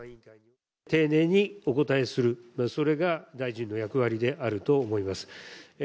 丁寧にお答えする、それが大臣の役割であると思います。